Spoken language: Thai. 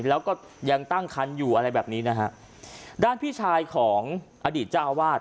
แล้วก็ยังตั้งคันอยู่อะไรแบบนี้นะฮะด้านพี่ชายของอดีตเจ้าอาวาส